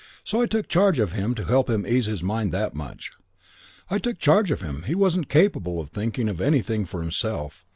So I took charge of him to help him ease his mind that much. "I took charge of him. He wasn't capable of thinking of anything for himself.